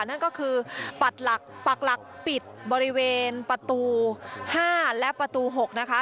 นั่นก็คือปักหลักปักหลักปิดบริเวณประตู๕และประตู๖นะคะ